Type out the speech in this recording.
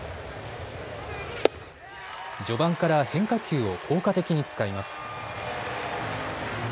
序盤から変化球を効果的に使います。